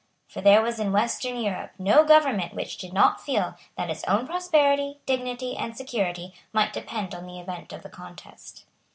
For there was in Western Europe no government which did not feel that its own prosperity, dignity and security might depend on the event of the contest.